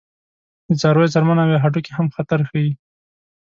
د څارویو څرمن او یا هډوکي هم خطر ښيي.